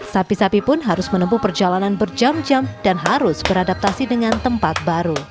sapi sapi pun harus menempuh perjalanan berjam jam dan harus beradaptasi dengan tempat baru